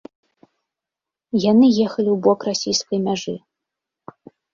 Яны ехалі ў бок расійскай мяжы.